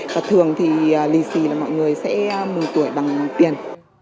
và thường thì lì xì là mọi người sẽ mừng tuổi bằng tiền